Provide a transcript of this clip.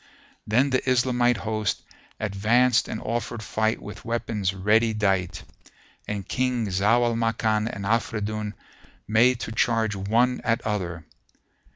Then the Islamite host advanced and offered fight with weapons ready dight, and King Zau al Makan and Afridun made to charge one at other.